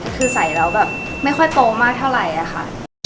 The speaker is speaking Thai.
คือใส่แล้วแบบไม่ค่อยโตมากเท่าไหร่อะค่ะ